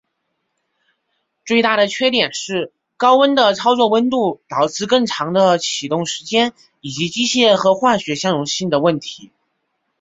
最大的缺点是高温的操作温度导致更长的启动时间以及机械和化学相容性的问题。